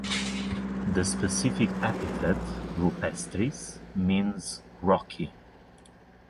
The specific epithet ("rupestris") means "rocky".